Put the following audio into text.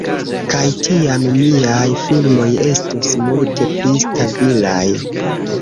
Kaj tiam miaj filmoj estus multe pli stabilaj.